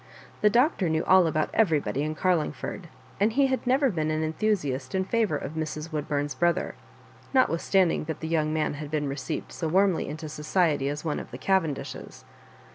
The Doctor knew all about everybody in Carlingford, and be had never been an enthusiast in favour of Mrs. Woodbum's brother, notwithstanding that the young man had been received so warmly into society as one of the Cavendishes.